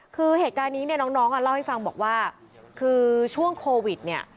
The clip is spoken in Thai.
คือเหตุการณ์นี้เนี่ยน้องอ่ะเล่าให้ฟังบอกว่าคือช่วงโควิดเนี่ย